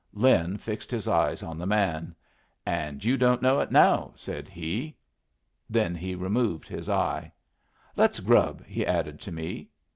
Lin fixed his eye on the man. "And you don't know it now," said he. Then he removed his eye. "Let's grub," he added to me.